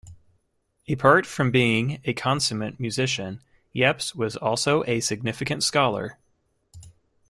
Apart from being a consummate musician, Yepes was also a significant scholar.